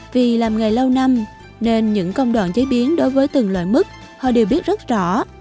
vì làm nghề lâu năm nên những công đoạn chế biến đối với từng loại mứt họ đều biết rất rõ